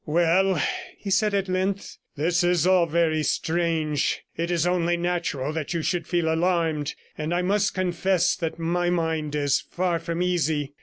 'Well,' he said at length, 'this is all very strange; it is only natural that you should feel alarmed, and I must confess that my mind is far from easy.